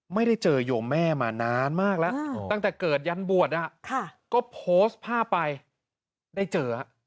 ไม่ได้เจอโยมแม่มานานมากแล้วตั้งแต่เกิดยันบวชก็โพสต์ภาพไปได้เจอ